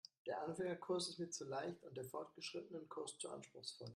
Der Anfängerkurs ist mir zu leicht und der Fortgeschrittenenkurs zu anspruchsvoll.